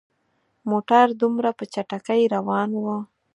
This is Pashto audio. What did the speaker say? موټر دومره په چټکۍ روان وو.